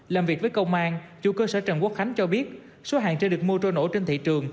làm việc với công an chủ cơ sở trần quốc khánh cho biết số hàng trên được mua trôi nổi trên thị trường